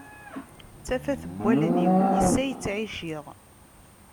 D tafat n wallen-iw, yess ay ttɛiciɣ.